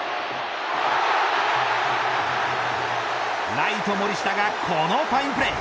ライト、森下がこのファインプレー。